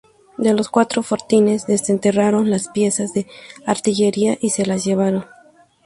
De los cuatro fortines desenterraron las piezas de artillería y se las llevaron.